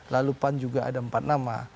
lalu pan juga ada empat nama